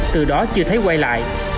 từ đó chưa thấy quay lại